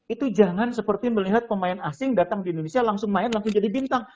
itu jangan seperti melihat pemain asing datang di indonesia langsung main langsung jadi bintang